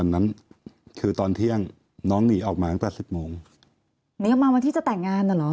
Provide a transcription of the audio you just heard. นี้ออกมาวันที่จะแต่งงานเหรอ